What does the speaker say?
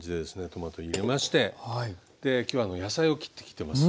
トマト入れまして今日は野菜を切ってきてます。